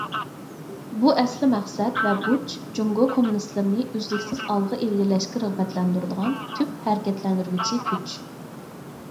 بۇ ئەسلىي مەقسەت ۋە بۇرچ جۇڭگو كوممۇنىستلىرىنى ئۈزلۈكسىز ئالغا ئىلگىرىلەشكە رىغبەتلەندۈرىدىغان تۈپ ھەرىكەتلەندۈرگۈچى كۈچ.